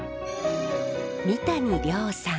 三谷涼さん。